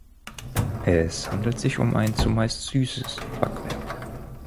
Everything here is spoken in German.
Es handelt sich um ein zumeist süßes Backwerk.